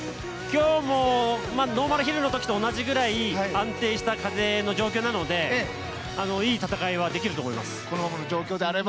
今日もノーマルヒルのときと同じぐらい安定した風の状況なのでいい戦いができると思います。